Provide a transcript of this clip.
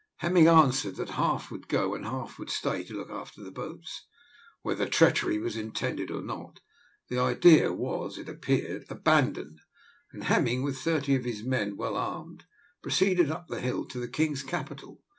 Hemming answered, that half would go and half would stay to look after the boats. Whether treachery was intended or not, the idea was, it appeared, abandoned, and Hemming, with thirty of his men well armed, proceeded up the hill to the king's capital.